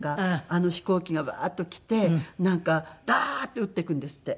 あの飛行機がワーッと来てなんかダーッて撃っていくんですって。